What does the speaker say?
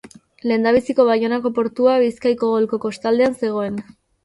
Lehendabiziko Baionako portua Bizkaiko golkoko kostaldean zegoen.